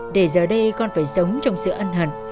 để giờ đây con phải sống trong sự ân hận